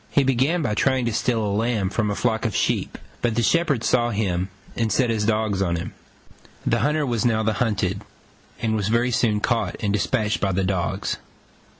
He began by trying to steal a lamb from a flock of sheep: but the shepherd saw him and set his dogs on him. The hunter was now the hunted, and was very soon caught and despatched by the dogs.